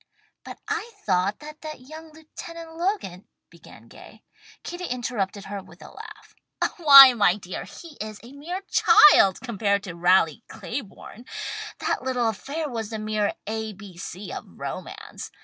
"But I thought that that young Lieutenant Logan," began Gay. Kitty interrupted her with a laugh. "Why my dear, he is a mere child compared to Raleigh Claiborne. That little affair was the mere A. B. C. of romance.